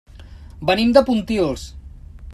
Venim de Pontils.